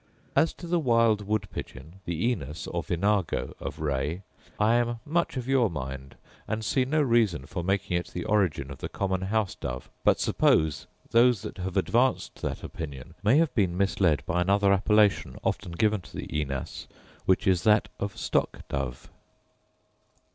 As to the wild wood pigeon, the oenas, or vinago, of Ray, I am much of your mind; and see no reason for making it the origin of the common house dove: but suppose those that have advanced that opinion may have been misled by another appellation, often given to the oenas, is that of stock dove.